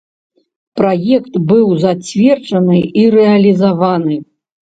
Праект быў зацверджаны і рэалізаваны.